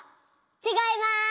ちがいます。